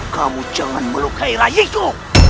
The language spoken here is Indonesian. kamu jangan melukai rayi itu